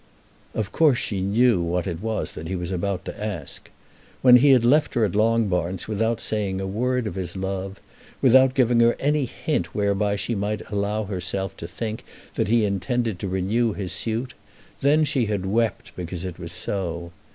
Of course she knew what it was that he was about to ask. When he had left her at Longbarns without saying a word of his love, without giving her any hint whereby she might allow herself to think that he intended to renew his suit, then she had wept because it was so.